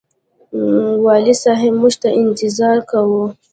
والي صاحب موږ ته انتظار کاوه.